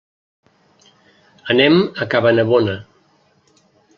Anem a Cabanabona.